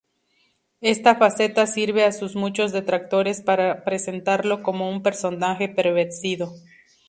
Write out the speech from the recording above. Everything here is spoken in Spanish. Esta faceta sirve a sus muchos detractores para presentarlo como un personaje pervertido.